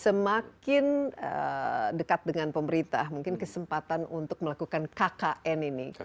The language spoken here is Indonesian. semakin dekat dengan pemerintah mungkin kesempatan untuk melakukan kkn ini